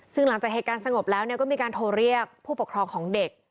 ซึ่งหลังจากเหตุการณ์สงบแล้วก็มีการโทรเรียกผู้ปกครองของเด็ก